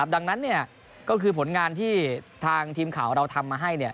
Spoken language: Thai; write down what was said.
ดังนั้นก็คือผลงานที่ทางทีมข่าวเราทำมาให้